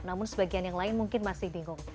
namun sebagian yang lain mungkin masih bingung